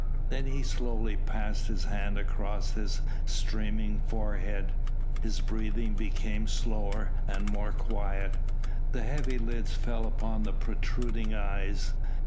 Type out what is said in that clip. Then he slowly passed his hand across his streaming forehead, his breathing became slower and more quiet, the heavy lids fell over the protruding eyes.